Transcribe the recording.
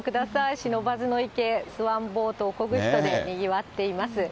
不忍池、スワンボートをこぐ人でにぎわっています。